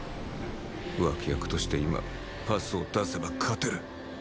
脇役として今パスを出せば勝てる